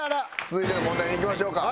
続いての問題にいきましょうか。